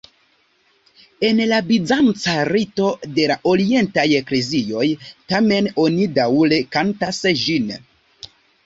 En la bizanca rito de la orientaj eklezioj tamen oni daŭre kantas ĝin.